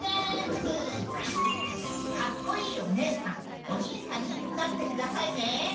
かっこいいお姉さんお兄さんになってくださいね。